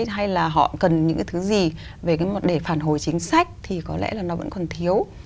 hay là họ cần những cái thứ gì để phản hồi chính sách thì có lẽ là nó vẫn còn thiếu